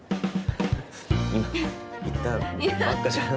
今言ったばっかじゃん。